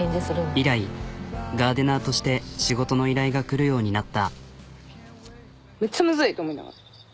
以来ガーデナーとして仕事の依頼が来るようになった。